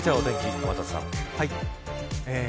天達さん。